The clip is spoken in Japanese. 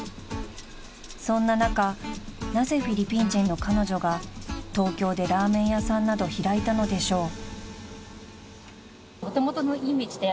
［そんな中なぜフィリピン人の彼女が東京でラーメン屋さんなど開いたのでしょう］